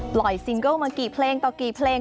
ซิงเกิลมากี่เพลงต่อกี่เพลง